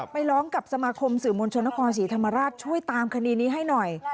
ไปร้องกับสมาคมสื่อมวลชนนครศรีธรรมราชช่วยตามคดีนี้ให้หน่อย